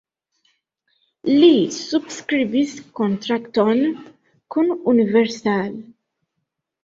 Li subskribis kontrakton kun Universal.